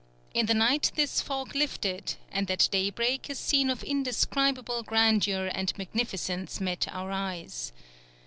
In the night this fog lifted, and at daybreak a scene of indescribable grandeur and magnificence met our eyes.